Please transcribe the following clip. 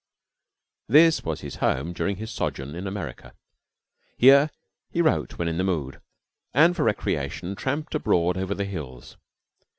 This was his home during his sojourn in America. Here he wrote when in the mood, and for recreation tramped abroad over the hills.